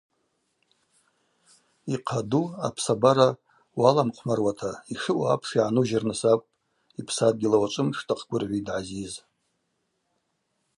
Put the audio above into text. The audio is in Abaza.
Йъаду – апсабара уаламхъвмаруата йшаъу апш йгӏанужьырныс акӏвпӏ, – йпсадгьыл ауачӏвымш дахъгвыргӏвитӏ Гӏазиз.